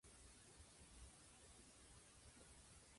唐の玄宗の作った楽曲の名。